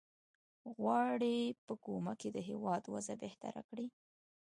غواړي په کومک یې د هیواد وضع بهتره کړي.